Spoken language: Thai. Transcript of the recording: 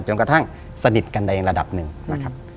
จนกระทั่งสนิทกันในระดับหนึ่งนะครับ